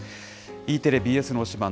Ｅテレ・ＢＳの推しバン！